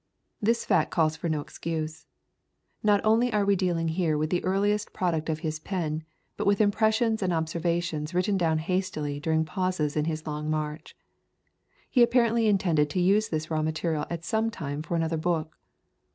This fact calls for no excuse. Not only are we dealing here with the earliest product of his pen, but with impressions and observations written down hastily during pauses in his long march. He ap parently intended to use this raw material at some time for another book.